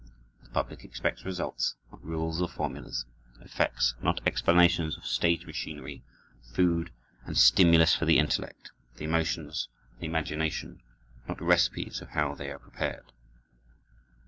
The public expects results, not rules or formulas; effects, not explanations of stage machinery; food and stimulus for the intellect, the emotions, the imagination, not recipes of how they are prepared.